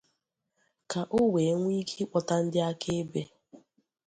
ka o wee nwee ike ịkpọta ndị akaebe ya